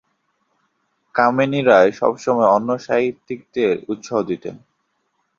কামিনী রায় সবসময় অন্য সাহিত্যিকদের উৎসাহ দিতেন।